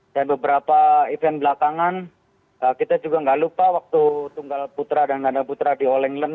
dan beberapa event belakangan kita juga nggak lupa waktu tunggal putra dan tanda putra di olenglen